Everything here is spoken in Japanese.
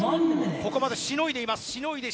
ここまでしのいでいます。